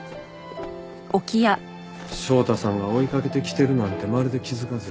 翔太さんが追いかけてきてるなんてまるで気づかず